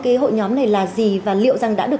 cái hội nhóm này là gì và liệu rằng đã được